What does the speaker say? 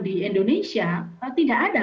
di indonesia tidak ada